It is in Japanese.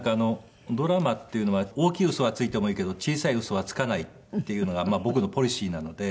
ドラマっていうのは大きいウソはついてもいいけど小さいウソはつかないっていうのが僕のポリシーなので。